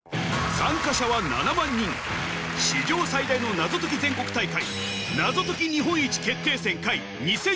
参加者は７万人史上最大の謎解き全国大会